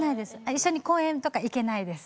一緒に公園とか行けないです。